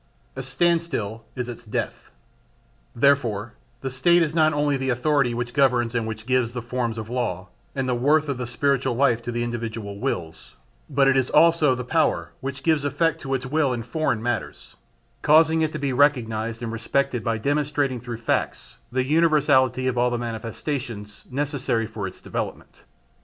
A standstill is its death. Therefore the State is not only the authority which governs and which gives the forms of law and the worth of the spiritual life to the individual wills, but it is also the power which gives effect to its will in foreign matters, causing it to be recognised and respected by demonstrating through facts the universality of all the manifestations necessary for its development.